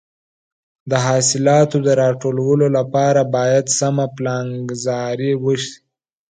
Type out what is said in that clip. د حاصلاتو د راټولولو لپاره باید سمه پلانګذاري وشي.